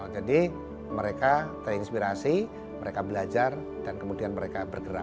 jadi mereka terinspirasi mereka belajar dan kemudian mereka bergerak